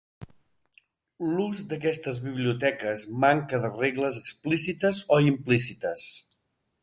L'ús d'aquestes biblioteques manca de regles explícites o implícites.